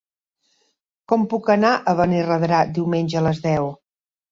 Com puc anar a Benirredrà diumenge a les deu?